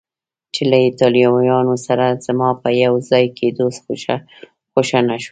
چې له ایټالویانو سره زما په یو ځای کېدو خوښه نه شوه.